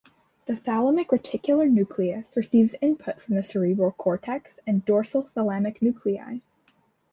The thalamic reticular nucleus receives input from the cerebral cortex and dorsal thalamic nuclei.